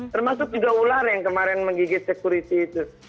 termasuk juga ular yang kemarin menggigit security itu